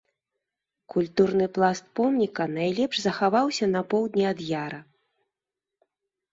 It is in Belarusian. Культурны пласт помніка найлепш захаваўся на поўдні ад яра.